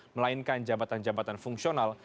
melainkan jabatan jabatan fungsional